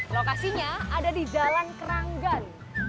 lokasinya ada di jalan keranggan